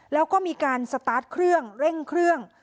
แล้วก็มีการสตาร์ทเครื่องเร่งเครื่อง